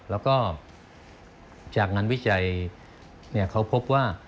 แล้วก็จากนั้นวิจัยเขาพบว่า